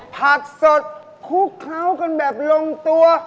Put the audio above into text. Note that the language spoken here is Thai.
สดคลุกเคล้ากันแบบลงตัว